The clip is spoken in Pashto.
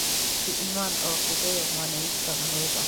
چې ايمان او عقیده يوه معنوي شتمني ده.